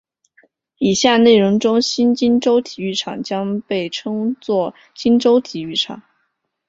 以下内容中新金州体育场将被称作金州体育场。